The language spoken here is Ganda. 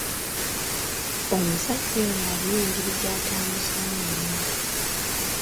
Omusajja oyo alina engeri gy'atambuzaamu ebintu.